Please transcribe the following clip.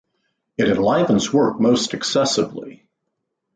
It enlivens work most excessively.